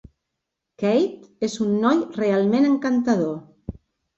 Keith és un noi realment encantador.